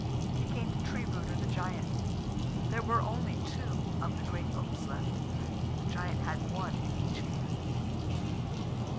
He came to Tree rooter, the giant. There were only two of the great oaks left, and the giant had one in each hand.